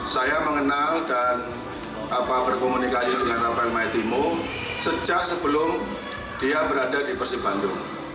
saya mengenal dan berkomunikasi dengan rafael maitimo sejak sebelum dia berada di persibandung